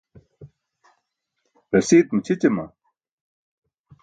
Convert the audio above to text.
rasiit maćʰićama?